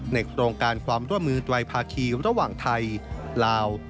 โครงการความร่วมมือไตรภาคีระหว่างไทยลาว